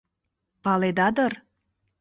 Паледа дыр?!